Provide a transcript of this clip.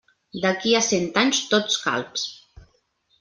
D'aquí a cent anys tots calbs.